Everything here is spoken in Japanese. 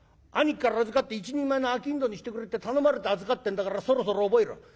兄貴から預かって一人前の商人にしてくれって頼まれて預かってんだからそろそろ覚えろ。